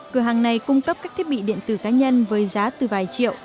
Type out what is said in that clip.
cửa hàng này cung cấp các thiết bị điện tử cá nhân với giá từ vài triệu